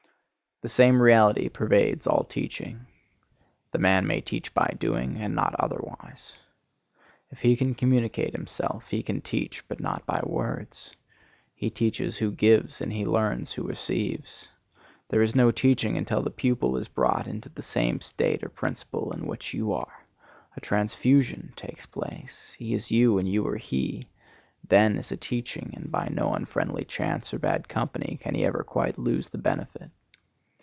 The same reality pervades all teaching. The man may teach by doing, and not otherwise. If he can communicate himself he can teach, but not by words. He teaches who gives, and he learns who receives. There is no teaching until the pupil is brought into the same state or principle in which you are; a transfusion takes place; he is you and you are he; then is a teaching, and by no unfriendly chance or bad company can he ever quite lose the benefit.